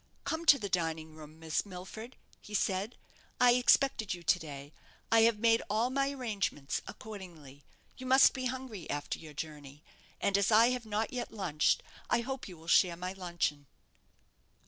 "Come to the dining room, Miss Milford," he said; "I expected you to day I have made all my arrangements accordingly. You must be hungry after your journey; and as I have not yet lunched, I hope you will share my luncheon?"